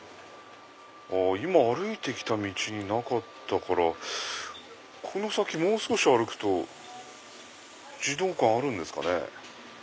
今歩いて来た道になかったからこの先もう少し歩くと児童館あるんですかね。